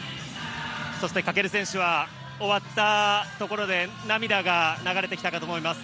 そして翔選手は終わったところで涙が流れてきたかと思います。